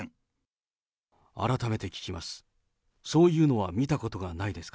改めて聞きます。